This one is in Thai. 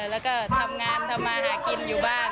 แล้วก็ทำงานทำมาหากินอยู่บ้าน